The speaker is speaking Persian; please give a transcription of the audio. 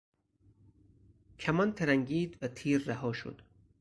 کمان ترنگید و تیر رها شد.